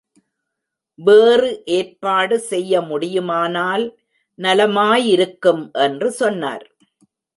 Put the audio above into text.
வேறு ஏற்பாடு செய்ய முடியுமானால் நலமாயிருக்கும் என்று சொன்னார்.